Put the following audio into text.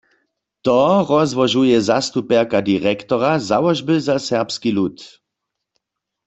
To rozłožuje zastupjerka direktora Załožby za serbski lud.